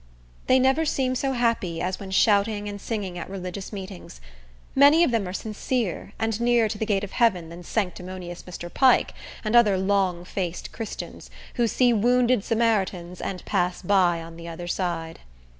They never seem so happy as when shouting and singing at religious meetings. Many of them are sincere, and nearer to the gate of heaven than sanctimonious Mr. Pike, and other long faced Christians, who see wounded Samaritans, and pass by on the other side.